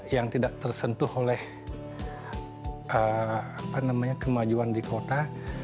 yang tidak tersentuh oleh kemajuan di kota